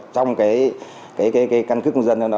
trong căn cứ công dân đó